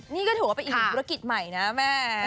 นี่ก็ถือว่าเป็นอีกภูตรกิจใหม่นะแม่